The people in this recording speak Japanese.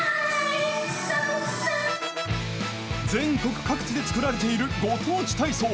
全国各地で作られているご当地体操。